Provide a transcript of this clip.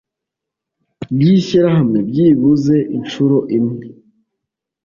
Ry ishyirahamwe byibuze inshuro imwe